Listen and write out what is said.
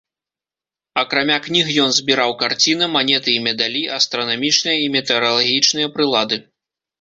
Акрамя кніг ён збіраў карціны, манеты і медалі, астранамічныя і метэаралагічныя прылады.